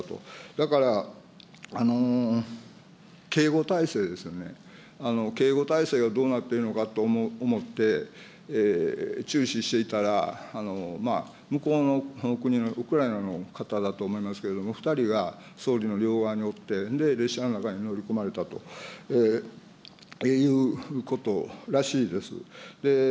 だから、警護体制ですよね、警護体制がどうなっているのかと思って、注視していたら、向こうの国の、ウクライナの方だと思うんですけれども、２人が総理の両側におって、で、列車の中に乗り込まれたということらしいです。